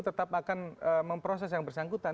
tetap akan memproses yang bersangkutan